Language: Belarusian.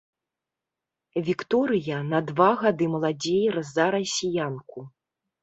Вікторыя на два гады маладзей за расіянку.